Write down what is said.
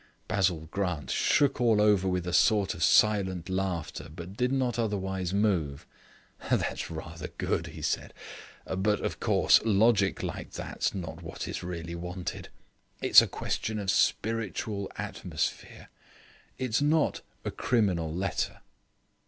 Basil Grant shook all over with a sort of silent laughter, but did not otherwise move. "That's rather good," he said; "but, of course, logic like that's not what is really wanted. It's a question of spiritual atmosphere. It's not a criminal letter."